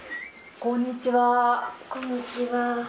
こんにちは。